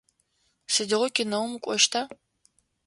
Сыдигъо кинэум укӏощта?